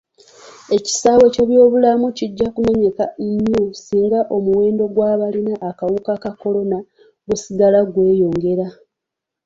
Ekisaawe ky'ebyobulamu kijja kumenyeka nnyo singa omuwendo gw'abalina akawuka ka kolona gusigala gweyongera.